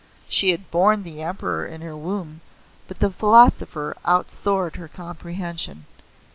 She had borne the Emperor in her womb, but the philosopher outsoared her comprehension.